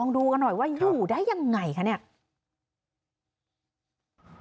ดูกันหน่อยว่าอยู่ได้ยังไงคะเนี่ย